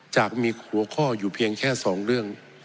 จากมีหัวข้ออยู่เพียงแค่๒เรื่อง